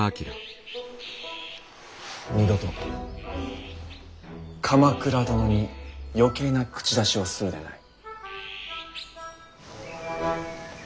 二度と鎌倉殿に余計な口出しをするでない。